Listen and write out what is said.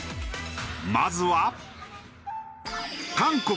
まずは。